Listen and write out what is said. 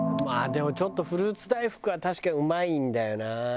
でもちょっとフルーツ大福は確かにうまいんだよな。